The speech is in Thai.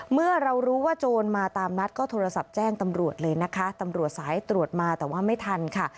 เมื่อเรารู้ว่าโจรมาตามนัดก็โทรศัพท์แจ้งตำรวจเลยนะคะตำรวจสายตรวจมาแต่ว่าไม่ทันค่ะ